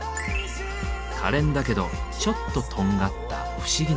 かれんだけどちょっととんがった不思議な魅力。